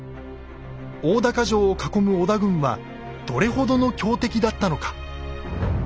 大高城を囲む織田軍はどれほどの強敵だったのか。